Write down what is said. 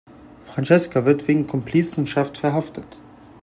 Francesca wird wegen Komplizenschaft verhaftet.